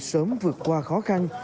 sớm vượt qua khó khăn